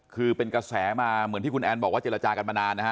คือเป็นกระแสมาเหมือนที่คุณแอนบอกว่าเจรจากันมานานนะฮะ